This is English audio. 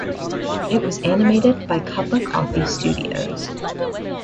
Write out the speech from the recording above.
It was animated by Cuppa Coffee Studios.